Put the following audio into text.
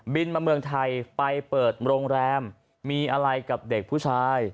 มาเมืองไทยไปเปิดโรงแรมมีอะไรกับเด็กผู้ชาย